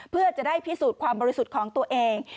เพื่อจะได้พิสูจน์ความบริสุทธิ์ของตัวเอง